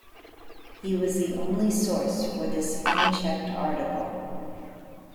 He was the only source for this unchecked article.